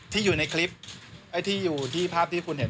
อยู่ในคลิปไอ้ที่อยู่ที่ภาพที่คุณเห็น